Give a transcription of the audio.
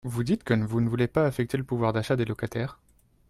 Vous dites que vous ne voulez pas affecter le pouvoir d’achat des locataires.